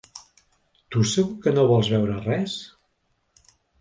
Tu segur que no vols beure res?